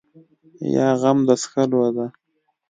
یا غم د څښلو ده.